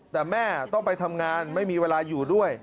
แต่แม่ต้องไปทำงานไม่มีเวลาอยู่ด้วย